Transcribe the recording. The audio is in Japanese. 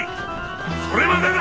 それまでだ！